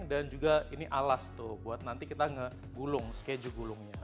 dan juga ini alas tuh buat nanti kita ngegulung sekeju gulungnya